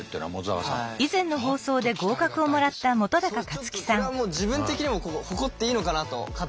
ちょっとこれはもう自分的にも誇っていいのかなと勝手ながら思って。